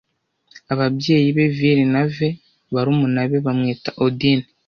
ababyeyi be Vili na Ve barumuna be bamwita Odin